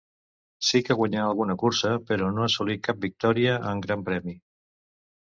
Sí que guanyà alguna cursa, però no assolí cap victòria en Gran Premi.